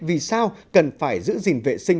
vì sao cần phải giữ gìn vệ sinh